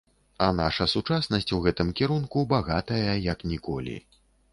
А наша сучаснасць у гэтым кірунку багатая як ніколі.